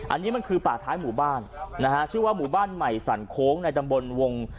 อันนี้มันคือป่าท้ายหมู่บ้านนะฮะชื่อว่าหมู่บ้านใหม่สั่นโค้งในตำบลวง